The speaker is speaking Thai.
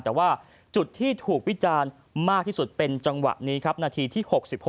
แต่ว่าจุดที่ถูกวิจารณ์มากที่สุดเป็นจังหวะนี้ครับนาทีที่๖๖